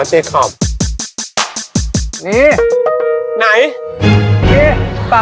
เจ๊กลบถึงแล้วค่ะ